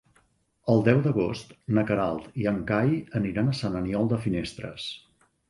El deu d'agost na Queralt i en Cai aniran a Sant Aniol de Finestres.